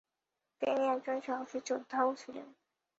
তিনি একজন সাহসী যোদ্ধা ও ছিলেন।